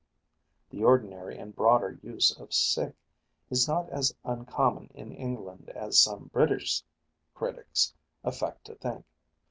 The ordinary and broader use of sick is not as uncommon in England as some British critics affect to think.